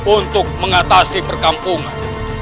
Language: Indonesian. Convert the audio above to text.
untuk mengatasi perkampungan